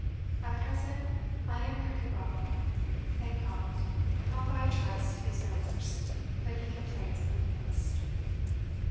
At present, I am pretty well. Thank God! Papa, I trust, is no worse, but he complains of weakness."